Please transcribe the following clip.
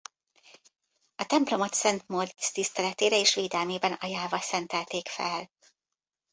A templomot Szent Móric tiszteletére és védelmében ajánlva szentelték fel.